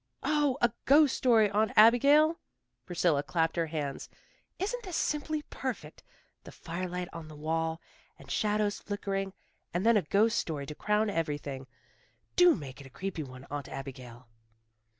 "Oh, a ghost story, Aunt Abigail!" Priscilla clapped her hands. "Isn't this simply perfect! The firelight on the wall, and shadows flickering, and then a ghost story to crown everything. Do make it a creepy one, Aunt Abigail."